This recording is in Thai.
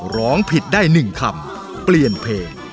ร้องผิดได้๑คำเปลี่ยนเพลง